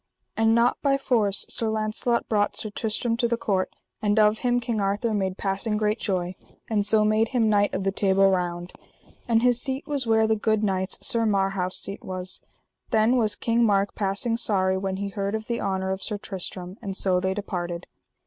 And not by force Sir Launcelot brought Sir Tristram to the court, and of him King Arthur made passing great joy, and so made him Knight of the Table Round; and his seat was where the good knight's, Sir Marhaus, seat was. Then was King Mark passing sorry when he heard of the honour of Sir Tristram; and so they departed.